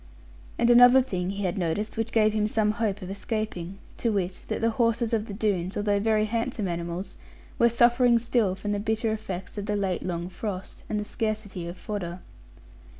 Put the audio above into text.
And another thing he had noticed which gave him some hope of escaping, to wit that the horses of the Doones, although very handsome animals, were suffering still from the bitter effects of the late long frost, and the scarcity of fodder.